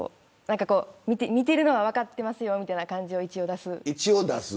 見てるのは分かってますよみたいな感じを一応、出す。